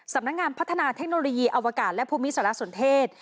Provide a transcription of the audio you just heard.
สำนักงานพัฒนาเทคโนโลยีอวกาศและภูมิสารสนเทศ